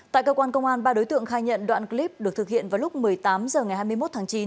tại cơ quan công an ba đối tượng khai nhận đoạn clip được thực hiện vào lúc một mươi tám h ngày hai mươi một tháng chín